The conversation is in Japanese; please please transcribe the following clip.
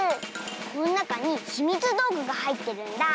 このなかにひみつどうぐがはいってるんだ！